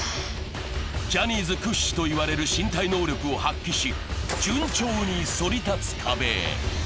ジャニーズ屈指といわれる身体能力を発揮し、順調にそり立つ壁へ。